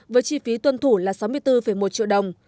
với chi phí tuân thủ là sáu mươi bốn một triệu đồng